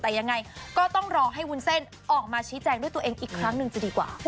แต่ยังไงก็ต้องรอให้วุ้นเส้นออกมาชี้แจงด้วยตัวเองอีกครั้งหนึ่งจะดีกว่า